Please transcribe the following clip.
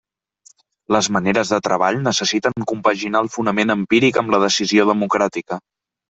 Les maneres de treball necessiten compaginar el fonament empíric amb la decisió democràtica.